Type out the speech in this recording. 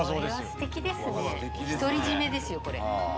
これはステキですね独り占めですよこれ。